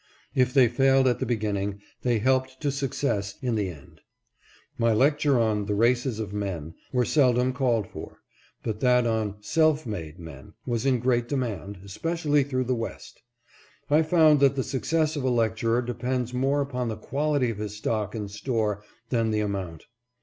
If they failed at the beginning, they helped to success in the end. My lecture on " The Races of Men " was seldom called for, but that on " Self made Men" was in great de mand, especially through the West. I found that the success of a lecturer depends more upon the quality of his stock in store than the amount.